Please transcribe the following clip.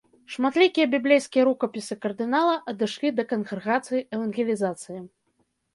Шматлікія біблейскія рукапісы кардынала адышлі да кангрэгацыі евангелізацыі.